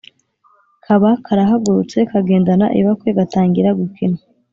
kaba karahagurutse, kagendana ibakwe gatangira gukina